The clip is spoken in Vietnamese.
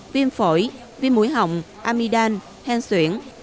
viêm phổi viêm mũi hỏng amidam hen xuyển